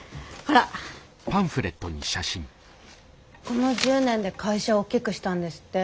この１０年で会社を大きくしたんですって。